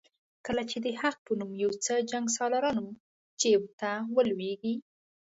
کله چې د حق په نوم یو څه جنګسالارانو جیب ته ولوېږي.